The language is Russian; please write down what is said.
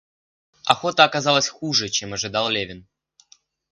Охота оказалась хуже, чем ожидал Левин.